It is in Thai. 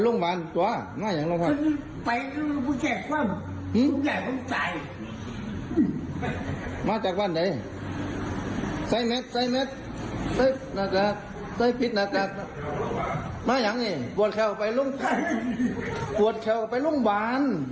นาตราคนาตราคเป็นเก็บโรงบาร